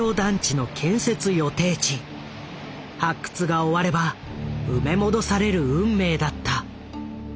発掘が終われば埋め戻される運命だった。